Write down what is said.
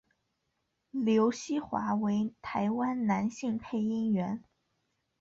刘锡华为台湾男性配音员。